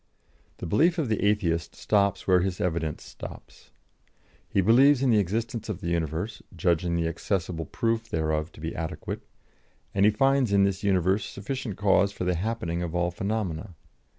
" "The belief of the Atheist stops where his evidence stops. He believes in the existence of the universe, judging the accessible proof thereof to be adequate, and he finds in this universe sufficient cause for the happening of all phenomena.